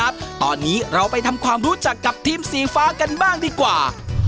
ครับตอนนี้เราไปทำความรู้จักกับทีมสีฟ้ากันบ้างดีกว่า